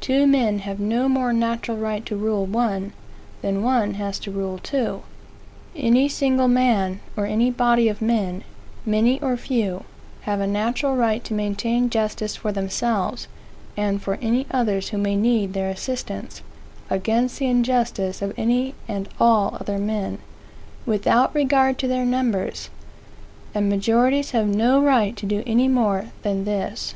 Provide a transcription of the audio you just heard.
Two men have no more natural right to rule one, than one has to rule two. Any single man, or any body of men, many or few, have a natural right to maintain justice for themselves, and for any others who may need their assistance against the injustice of any and all other men, without regard to their numbers; and majorities have no right to do any more than this.